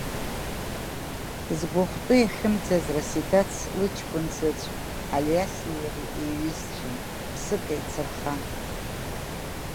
Згәахәтәы иахьымӡаз Расидац лыҷкәын заҵә Алиаси иареи еиҩызцәан, ԥсык еицырхан.